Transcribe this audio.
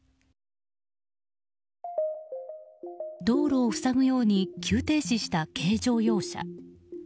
道路を塞ぐように急停止した軽乗用車。